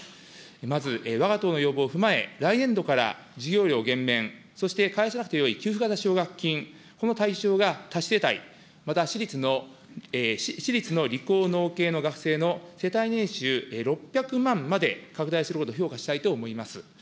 まずわが党の要望を踏まえ、来年度から授業料減免、そして返さなくてよい給付型奨学金、この対象が多子世帯、また私立の理工農系の学生の世帯年収６００万まで拡大すること、評価したいと思います。